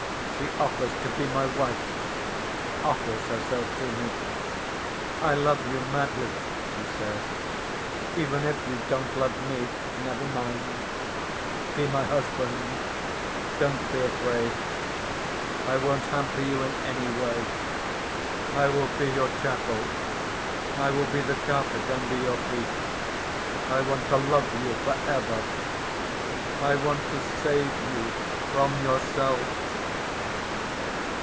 She offers to be my wife, offers herself to me. 'I love you madly,' she says, 'even if you don't love me, never mind. Be my husband. Don't be afraid. I won't hamper you in any way. I will be your chattel. I will be the carpet under your feet. I want to love you for ever. I want to save you from yourself.